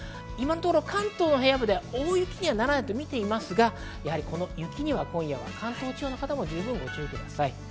関東の平野部では大雪にならないとみていますが、雪には今夜は関東地方の方もご注意ください。